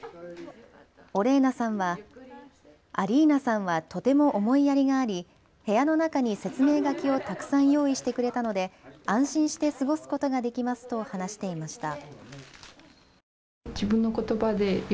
オレーナさんはアリーナさんはとても思いやりがあり部屋の中に説明書きをたくさん用意してくれたので安心して過ごすことができますと話していました。